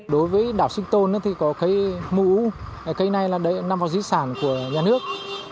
đối với đảo sinh tồn thì có cây mù u cây này nằm vào di sản của nhà nước